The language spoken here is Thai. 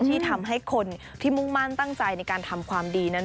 ที่ทำให้คนที่มุ่งมั่นตั้งใจในการทำความดีนั้น